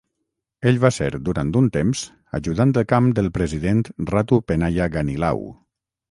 Ell va ser durant un temps ajudant de camp del President Ratu Penaia Ganilau.